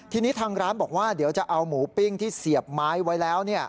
ทีนี้ทางร้านบอกว่าเดี๋ยวจะเอาหมูปิ้งที่เสียบไม้ไว้แล้ว